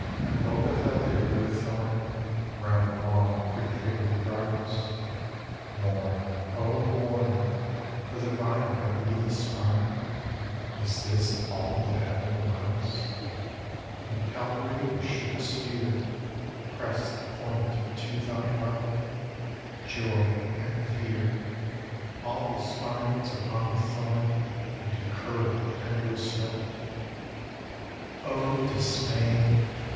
On Golgotha there grew a thorn Round the long prefigured Brows. Mourn, O mourn! For the vine have we the spine? Is this all the Heaven allows? On Calvary was shook a spear; Press the point into thy heart Joy and fear! All the spines upon the thorn into curling tendrils start. O dismay!